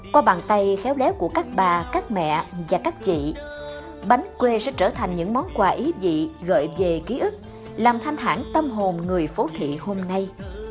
qua bàn tay khéo léo của các bà các mẹ và các chị bánh quê sẽ trở thành những món quà ý vị gợi về ký ức làm thanh thản tâm hồn người phố thị hôm nay